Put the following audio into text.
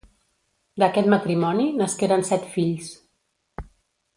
D’aquest matrimoni nasqueren set fills.